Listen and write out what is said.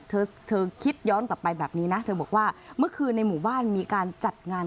เธอเธอคิดย้อนกลับไปแบบนี้นะเธอบอกว่าเมื่อคืนในหมู่บ้านมีการจัดงาน